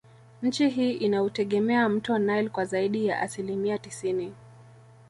Nchi hii inautegemea mto nile kwa zaidi ya asilimia tisini